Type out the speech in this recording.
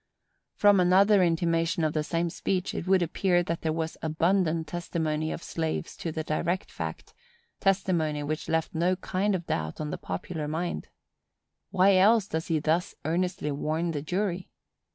From another intimation in the same speech, it would appear that there was abundant testimony of slaves to the direct fact,—testimony which left no kind of doubt on the popular mind. Why else does he thus earnestly warn the jury?